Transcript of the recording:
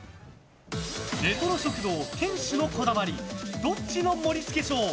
レトロ食堂店主のこだわりどっちの盛り付けＳＨＯＷ！